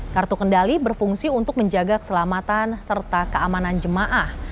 kartu kendali berfungsi untuk menjaga keselamatan serta keamanan jemaah